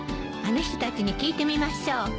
あの人たちに聞いてみましょう。